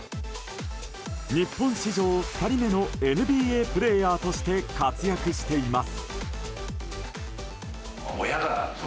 日本史上２人目のＮＢＡプレーヤーとして活躍しています。